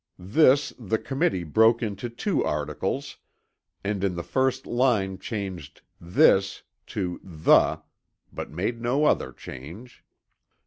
This the Committee broke into two articles and in the first line changed "this" to "the" but made no other change.